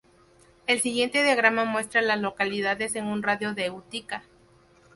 El siguiente diagrama muestra a las localidades en un radio de de Utica.